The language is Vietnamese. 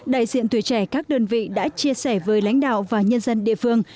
đại diện tuổi trẻ các đơn vị đã chia sẻ với lãnh đạo và nhân dân địa phương